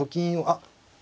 あっ。